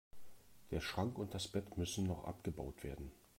Der Schrank und das Bett müssen noch abgebaut werden.